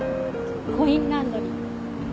コインランドリー。